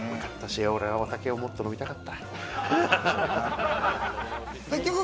お酒をもっと飲みたかった。